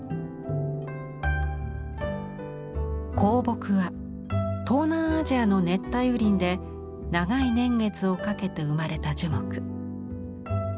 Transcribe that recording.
香木は東南アジアの熱帯雨林で長い年月をかけて生まれた樹木。